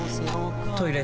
トイレ